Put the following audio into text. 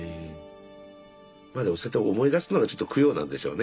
まあでもそうやって思い出すのがちょっと供養なんでしょうね